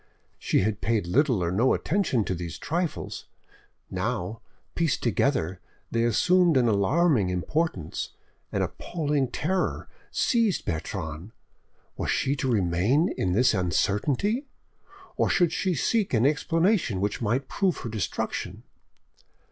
She had paid little or no attention to these trifles; now, pieced together, they assumed an alarming importance. An appalling terror seized Bertrande: was she to remain in this uncertainty, or should she seek an explanation which might prove her destruction?